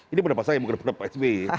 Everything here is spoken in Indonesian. ini bukan pas saya bukan pas pak sbe